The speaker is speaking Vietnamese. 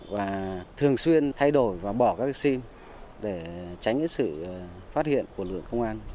và thường xuyên thay đổi và bỏ các sim để tránh sự phát hiện của lượng công an